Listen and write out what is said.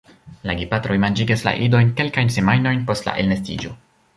La gepatroj manĝigas la idojn kelkajn semajnojn post la elnestiĝo.